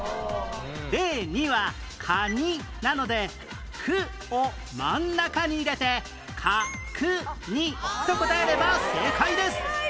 例２は「かに」なので「く」を真ん中に入れて「かくに」と答えれば正解です